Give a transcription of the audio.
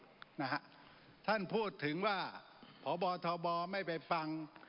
นะฮะท่านพูดถึงว่าพบทบไม่ไปฟัง